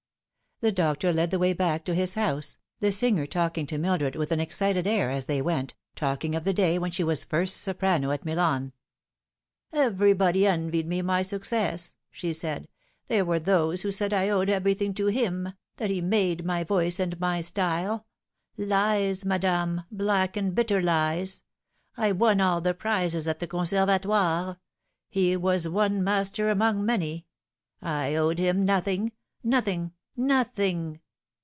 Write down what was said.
The doctor led the way back to kis house, the singer talking to Mildred with an excited air as they went, talking of the day when she was first soprano at Milan. " Everybody envied me my success," she said. " There were those who said I owed everything to him, that he made my voice and my style. Lies, madame, black and bitter lies. I won all the prizes at the Conservatoire. He was one master among many. I owed him nothing nothing nothing